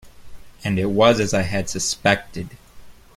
And it was as I had suspected.